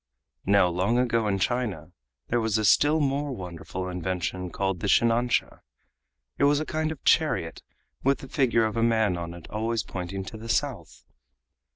Now long ago in China, there was a still more wonderful invention called the shinansha. This was a kind of chariot with the figure of a man on it always pointing to the South.